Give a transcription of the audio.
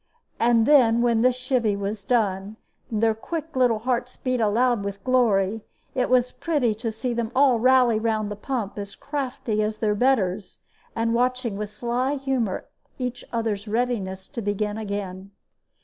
And then, when this chivy was done, and their quick little hearts beat aloud with glory, it was pretty to see them all rally round the pump, as crafty as their betters, and watching with sly humor each other's readiness to begin again.